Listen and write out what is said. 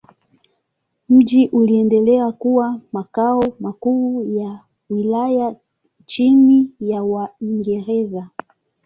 Mji uliendelea kuwa makao makuu ya wilaya chini ya Waingereza.